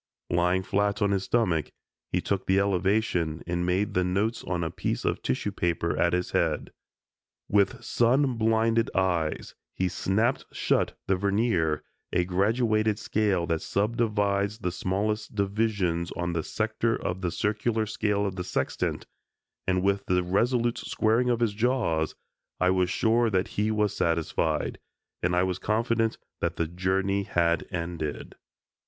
Lying flat on his stomach, he took the elevation and made the notes on a piece of tissue paper at his head. With sun blinded eyes, he snapped shut the vernier (a graduated scale that subdivides the smallest divisions on the sector of the circular scale of the sextant) and with the resolute squaring of his jaws, I was sure that he was satisfied, and I was confident that the journey had ended.